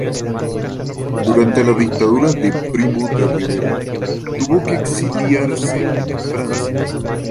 Durante la dictadura de Primo de Rivera tuvo que exiliarse en Francia.